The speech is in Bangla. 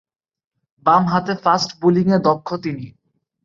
বামহাতে ফাস্ট বোলিংয়ে দক্ষ তিনি।